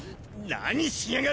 何しやがる！